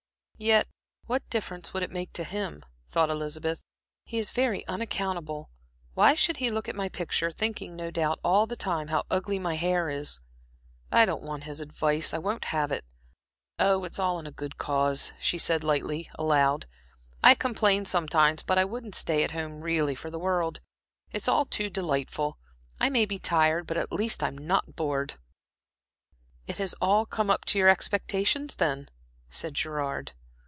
"Yet what difference would it make to him?" thought Elizabeth. "He is very unaccountable. Why should he look at my picture, thinking no doubt all the time how ugly my hair is? I don't want his advice I won't have it. Oh, it's all in a good cause," she said lightly, aloud. "I complain sometimes, but I wouldn't stay at home, really, for the world. It's all too delightful. I may be tired, but at least I'm not bored." "It has all come up to your expectations, then?" said Gerard.